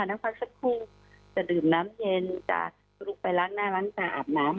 นั่งพักสักครู่จะดื่มน้ำเย็นจะลุกไปล้างหน้าร้านจะอาบน้ำ